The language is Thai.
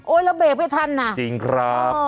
โอ๊ยแล้วเบรกไปทันน่ะจริงครับ